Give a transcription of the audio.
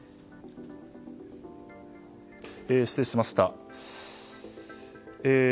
失礼しました。